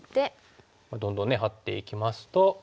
どんどんねハッていきますと。